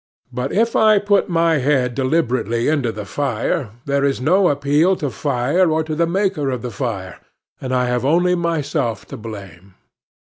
But, if I put my head deliberately into the fire, there is no appeal to fire or to the Maker of fire, and I have only myself to blame.